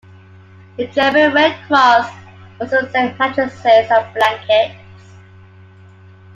The German Red Cross also sent mattresses and blankets.